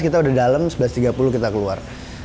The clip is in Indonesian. kita udah dalam sebelas tiga puluh kita keluar